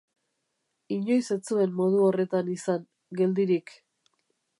Inoiz ez zuen modu horretan izan, geldirik.